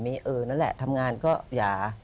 มีเออนั่นแหละทำงานก็อย่า